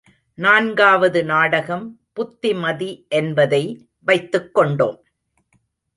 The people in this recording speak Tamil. நான்காவது நாடகம் புத்திமதி என்பதை வைத்துக் கொண்டோம்.